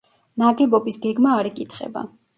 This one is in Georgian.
ნაგებობის გეგმა არ იკითხება.